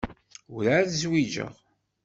Werεad zwiǧeɣ.